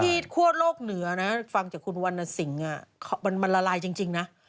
หมี่ขัวโลกเหนือนะฟังจากคุณวันนสิงอ่ะมันละลายจริงนะ